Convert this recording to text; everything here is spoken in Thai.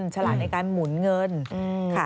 ฉลาดในการหมุนเงินค่ะ